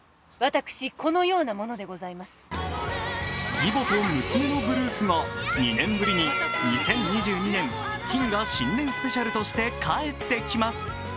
「義母と娘のブルース」が２年ぶりに「２０２２年謹賀新年スペシャル」として帰ってきます。